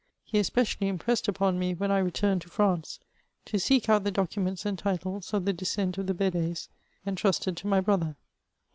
He especially impressed upon me, when I returned to France, to seek out the docu ments and titles of the descent of the BedieSy entrusted to my brother.